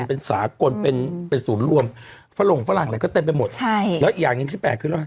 เป็นสาคนเป็นเป็นสูรรวมฝรั่งฝรั่งแต่ก็เต็มไปหมดใช่แล้วอีกอย่างอีกที่แปดคือว่า